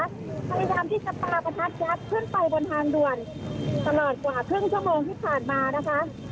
พยายามที่จะปลาประทัดยักษ์ขึ้นไปบนทางด่วนตลอดกว่าครึ่งชั่วโมงที่ผ่านมานะคะ